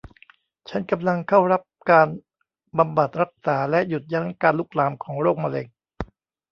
ฉันกำลังเข้ารับการบำบัดรักษาและหยุดยั้งการลุกลามของโรคมะเร็ง